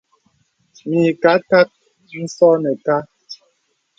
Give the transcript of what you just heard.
Mə ìkâ kak ǹzɔ̄ nə kɛ̂.